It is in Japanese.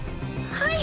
はい。